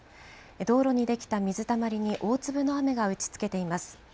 道路にできた水たまりに大粒の雨が打ちつけています。